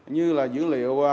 như là dữ liệu